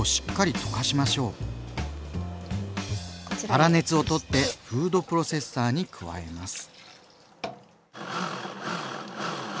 粗熱を取ってフードプロセッサーに加えます。